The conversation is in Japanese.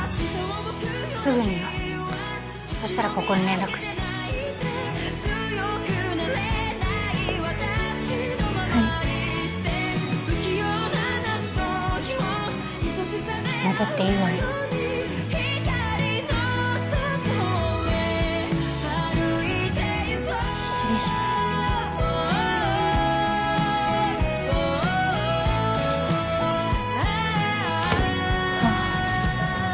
すぐによそしたらここに連絡してはい戻っていいわよ失礼しますはあ